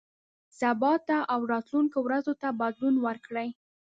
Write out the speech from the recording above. سبا ته او راتلونکو ورځو ته بدلون ورکړئ.